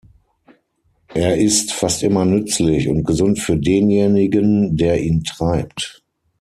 Er ist fast immer nützlich und gesund für denjenigen, der ihn treibt.